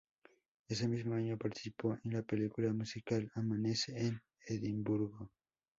Ese mismo año participó en la película musical "Amanece en Edimburgo".